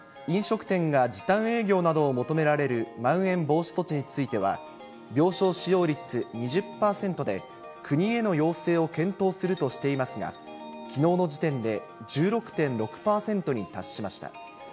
飲食店が時短営業などを求められるまん延防止措置については、病床使用率２０％で、国への要請を検討するとしていますが、きのうの時点で１６．６％に達しました。